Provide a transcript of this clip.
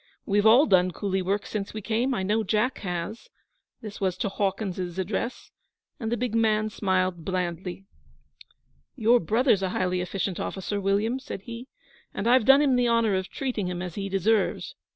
'We've all done coolie work since we came. I know Jack has.' This was to Hawkins's address, and the big man smiled blandly. 'Your brother's a highly efficient officer, William,' said he, and I've done him the honour of treating him as he deserves.